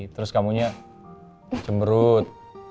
terus kamu nya cemberut